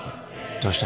どうした？